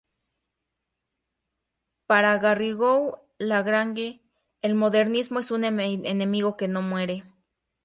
Para Garrigou-Lagrange, el modernismo es un enemigo que no muere.